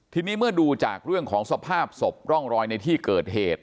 ทีนี้เมื่อดูจากเรื่องของสภาพศพร่องรอยในที่เกิดเหตุ